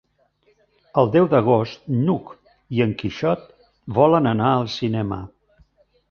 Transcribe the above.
El deu d'agost n'Hug i en Quixot volen anar al cinema.